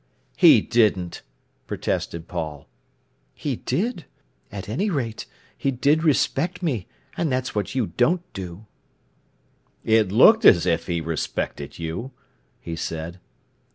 "He didn't!" protested Paul. "He did! At any rate, he did respect me, and that's what you don't do." "It looked as if he respected you!" he said.